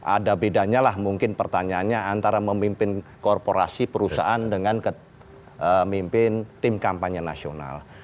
ada beda dites semuanya adalah mungkin pertanyaanya antara memimpin korporasi perusahaan dengan memimpin tim kampanye nasional